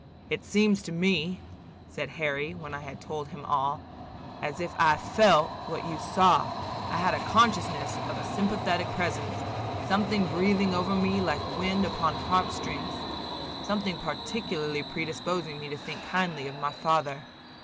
"It seems to me," said Harry, when I had told him all, "as if I felt what you saw. I had a consciousness of a sympathetic presence, something breathing over me like wind upon harp strings, something particularly predisposing me to think kindly of my father.